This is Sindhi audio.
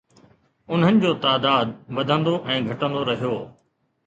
انهن جو تعداد وڌندو ۽ گهٽندو رهيو